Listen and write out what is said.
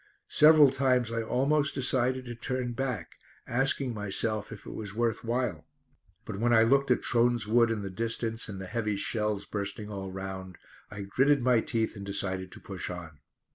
Several times I almost decided to turn back, asking myself if it was worth while. But when I looked at Trones Wood in the distance, and the heavy shells bursting all round, I gritted my teeth and decided to push on.